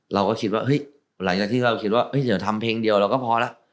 เราก็คิดว่าเฮ้ยหลังจากที่เราคิดว่าเดี๋ยวทำเพลงเดียวเราก็พอแล้ว